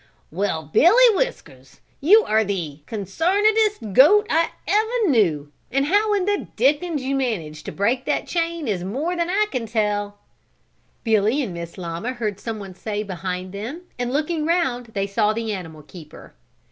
"Well, Billy Whiskers, you are the 'consarnedest' goat I ever knew, and how in the 'dickens' you managed to break that chain is more than I can tell," Billy and Miss Llama heard someone say behind them and looking round they saw the animal keeper.